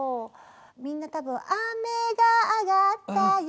みんな多分「あめがあがったよ」